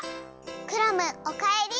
クラムおかえり。